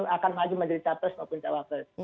akan maju menjadi capres maupun cak wapres